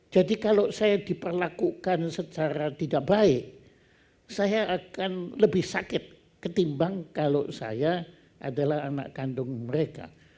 kalau saya diperlakukan secara tidak baik saya akan lebih sakit ketimbang kalau saya adalah anak kandung mereka